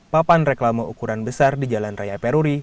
papan reklama ukuran besar di jalan raya peruri